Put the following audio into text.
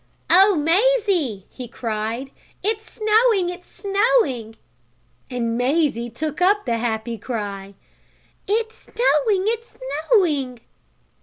"Oh, Mazie!" he cried. "It's snowing! It's snowing!" And Mazie took up the happy cry: "It's snowing! It's snowing!"